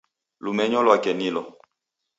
Lumenyo lwake nilo